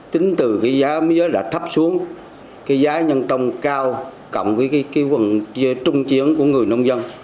tính từ cái giá mía đã thấp xuống cái giá nhân tông cao cộng với cái quần trung chiến của người nông dân